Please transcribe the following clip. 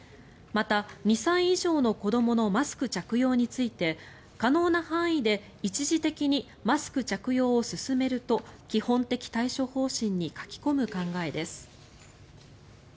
また、２歳以上の子どものマスク着用について可能な範囲で一時的にマスク着用を進めると基本的対処方針に書き込む考えです。